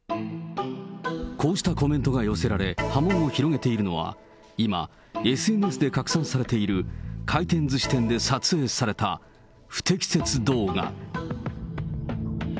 こうしたコメントが寄せられ、波紋を広げているのは、今、ＳＮＳで拡散されている回転ずし店で撮影された不適切動画。